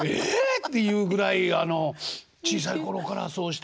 っていうぐらい小さい頃からそうして。